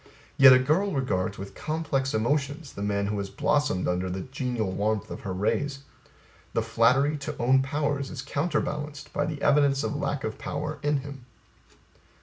Yet A girl regards with complex emotions the man who has blossomed under the genial warmth of her rays; the flattery to own powers is counterbalanced by the evidence of lack of power in him.